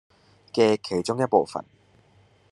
嘅其中一部分